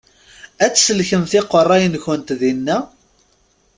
Ad tsellkemt iqeṛṛa-nkent dinna?